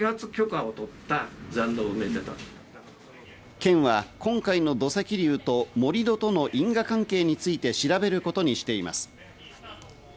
県は今回の土石流と盛り土との因果関係について調べることにしています。